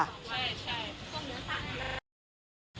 ใช่ใช่